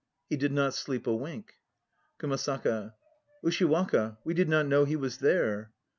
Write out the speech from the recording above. He did not sleep a wink. KUMASAKA. Ushiwaka! We did not know he was there.